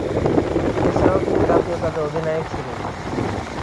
এছাড়াও তিনি জাতীয় দলের অধিনায়ক ছিলেন।